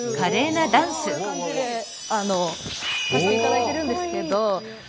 こういう感じでさせていただいてるんですけど。